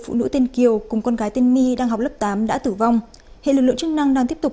phụ nữ tên kiều cùng con gái tên my đang học lớp tám đã tử vong hiện lực lượng chức năng đang tiếp tục